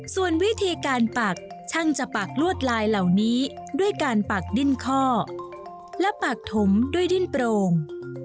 ส่วนวิธีการปักช่างจะปักลวดลายเหล่านี้ด้วยการปักดิ้นข้อและปากถมด้วยดิ้นโปร่ง